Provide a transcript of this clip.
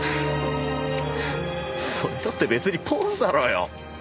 それだって別にポーズだろうよ。